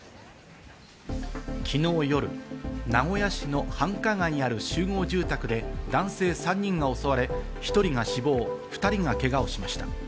昨日夜、名古屋市の繁華街にある集合住宅で男性３人が襲われ、１人が死亡、２人がけがをしました。